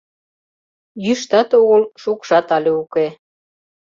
Йӱштат огыл, шокшат але уке.